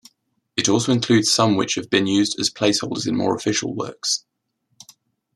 It also includes some which have been used as placeholders in more official works.